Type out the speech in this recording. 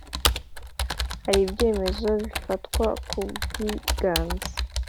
hari Ibyemezo bifatwa ku bwiganze